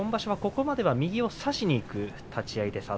ここまでは右を差しにいく立ち合いです。